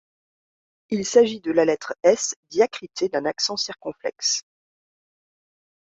Il s’agit de la lettre S diacritée d'un accent circonflexe.